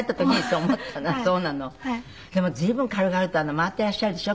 でも随分軽々と回っていらっしゃるでしょ。